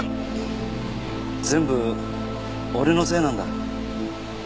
全部俺のせいなんだ。